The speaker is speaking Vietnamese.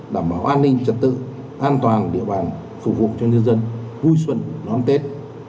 đảm bảo an ninh trật tự an toàn địa bàn phục vụ cho nhân dân vui xuân đón tết